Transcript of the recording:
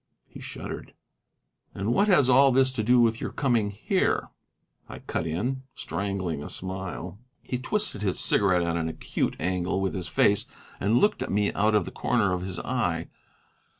He shuddered. "And what has all this to do with your coming here?" I cut in, strangling a smile. He twisted his cigarette at an acute angle with his face, and looked at me out of the corner of his eye.